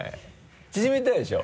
縮めたでしょ？